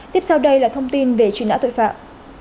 tiếp sau đây là thông tin về truy nã tội phạm